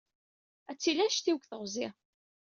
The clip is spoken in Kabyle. Ad tili annect-iw deg teɣzi.